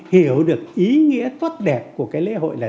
hiểu được ý nghĩa toát đẹp của cái lễ hội là gì